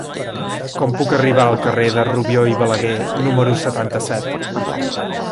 Com puc arribar al carrer de Rubió i Balaguer número setanta-set?